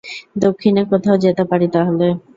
দক্ষিণে কোথায় যেতে পারি তাহলে?